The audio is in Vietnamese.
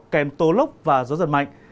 kèm tố lốc và gió giật mạnh